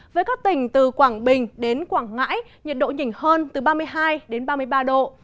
với các tỉnh từ quảng bình đến quảng ngãi nhiệt độ nhỉnh hơn từ ba mươi hai đến ba mươi ba độ